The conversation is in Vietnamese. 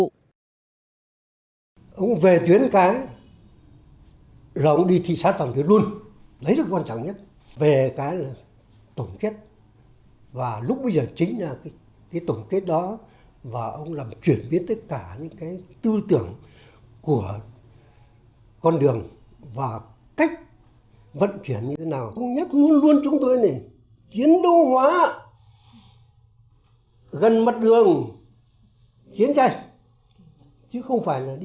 cách vận chuyển như thế nào không nhắc luôn chúng tôi này chiến đấu hóa gần mặt đường chiến tranh chứ không phải là đi chơi